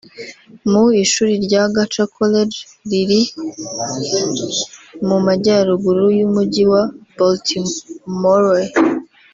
mu ishuri rya Goucher College riri mu Majyaruguru y’Umujyi wa Baltimore